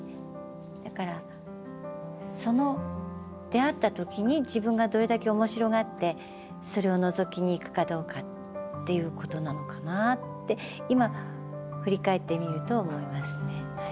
だからその出会った時に自分がどれだけおもしろがってそれをのぞきに行くかどうかっていうことなのかなって今振り返ってみると思いますねはい。